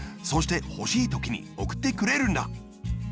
そしてほしいときにおくってくれるんだ。